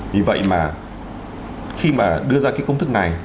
vì vậy mà khi mà đưa ra cái công thức này